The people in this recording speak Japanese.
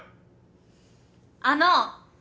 あの！